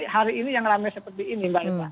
hari ini yang ramai seperti ini mbak nipah